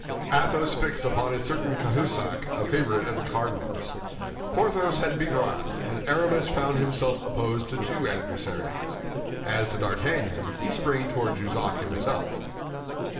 Athos fixed upon a certain Cahusac, a favorite of the cardinal's. Porthos had Bicarat, and Aramis found himself opposed to two adversaries. As to D'Artagnan, he sprang toward Jussac himself.